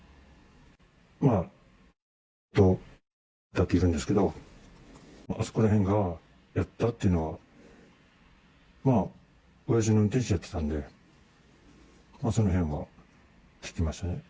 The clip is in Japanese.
まあ、×××と×××がいるんですけど、あそこらへんがやったというのは、親父の運転手やってたんで、そのへんは聞きましたね。